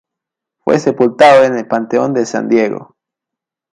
Fue sepultado en el panteón de San Diego.